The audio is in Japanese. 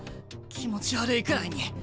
気持ち悪いくらいに。